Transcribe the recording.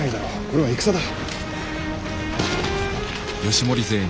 これは戦だ。